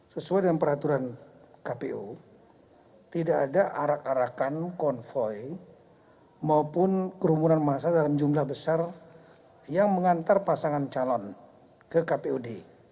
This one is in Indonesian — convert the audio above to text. sesuai dengan peraturan kpu tidak ada arak arakan konvoy maupun kerumunan massa dalam jumlah besar yang mengantar pasangan calon ke kpud